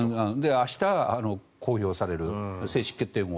明日、公表される正式決定後。